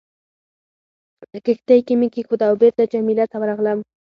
په کښتۍ کې مې کېښوده او بېرته جميله ته ورغلم.